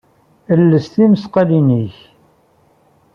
Els tismaqqalin-nnek.